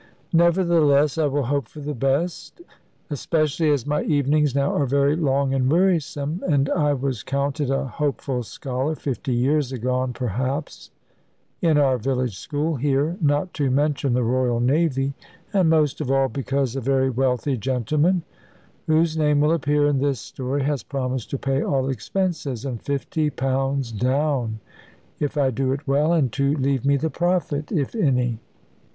Nevertheless I will hope for the best, especially as my evenings now are very long and wearisome; and I was counted a hopeful scholar, fifty years agone perhaps, in our village school here not to mention the Royal Navy; and most of all, because a very wealthy gentleman, whose name will appear in this story, has promised to pay all expenses, and £50 down (if I do it well), and to leave me the profit, if any.